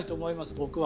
僕は。